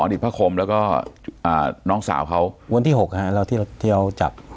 อดีตพระคมแล้วก็อ่าน้องสาวเขาวันที่หกฮะเราที่เราจับ